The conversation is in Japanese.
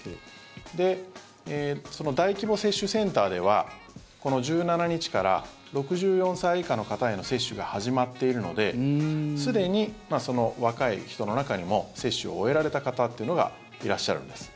で、大規模接種センターでは１７日から６４歳以下の方への接種が始まっているのですでに若い人の中にも接種を終えられた方というのがいらっしゃるんです。